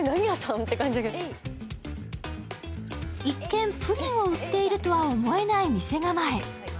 一見、プリンを売っているとは思えない店構え。